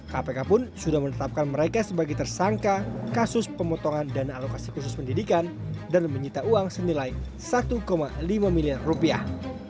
kpk pun sudah menetapkan mereka sebagai tersangka kasus pemotongan dana alokasi khusus pendidikan dan menyita uang senilai satu lima miliar rupiah